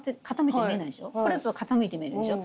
これだと傾いて見えるでしょ。